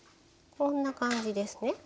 こんな感じですね。